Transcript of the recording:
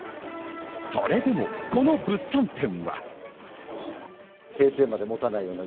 それでもこの物産展は。